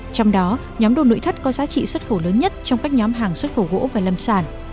trong đó nhóm đồ nội thất có giá trị xuất khẩu lớn nhất trong các nhóm hàng xuất khẩu gỗ và lâm sản